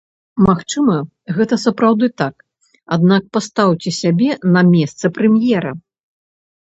Магчыма, гэта сапраўды так, аднак пастаўце сябе на месца прэм'ера.